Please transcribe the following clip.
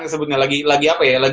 yang disebutnya lagi apa ya